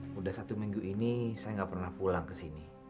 sudah satu minggu ini saya nggak pernah pulang ke sini